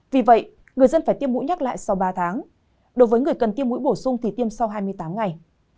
vì vậy người dân phải tiêm mũi nhắc lại sau ba tháng đối với người cần tiêm mũi bổ sung thì tiêm sau hai mươi tám ngày